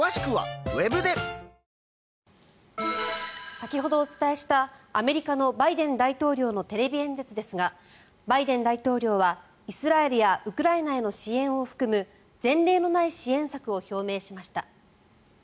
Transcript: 先ほどお伝えしたアメリカのバイデン大統領のテレビ演説ですがバイデン大統領はイスラエルやウクライナへの支援を含む前例のない支援策を表明しました。